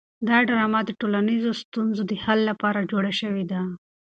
دا ډرامه د ټولنیزو ستونزو د حل لپاره جوړه شوې ده.